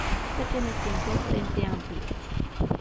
Perteneciente al Frente Amplio.